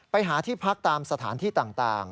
ไปหาที่พักตามสถานที่ต่าง